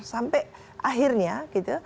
sampai akhirnya gitu